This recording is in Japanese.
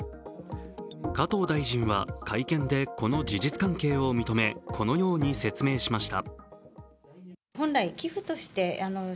加藤大臣は会見で、この事実関係を認めこのように説明しました。